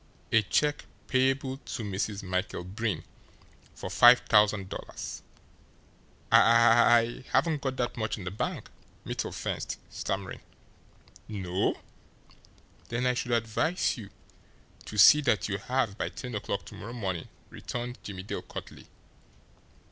"A check payable to Mrs. Michael Breen for five thousand dollars." "I I haven't got that much in the bank," Mittel fenced, stammering. "No? Then I should advise you to see that you have by ten o'clock to morrow morning!" returned Jimmie Dale curtly.